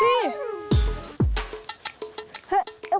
ไปค่ะ